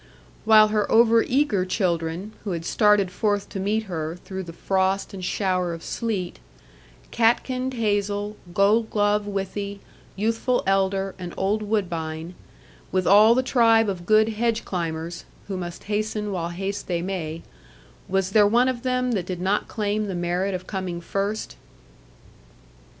While her over eager children (who had started forth to meet her, through the frost and shower of sleet), catkin'd hazel, gold gloved withy, youthful elder, and old woodbine, with all the tribe of good hedge climbers (who must hasten while haste they may) was there one of them that did not claim the merit of coming first?